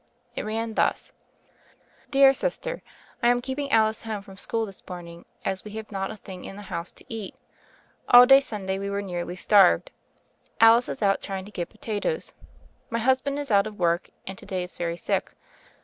It ran thus : "Dear Sister : I am keeping Alice home from school this morning, as we have not a thing in the house to eat. All day Sunday we were nearly starved. Alice is out trying to get pota toes. My husband is out of work, and to day is very sick.